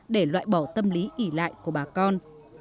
để loại bỏ tâm lý ỉ lại của bà con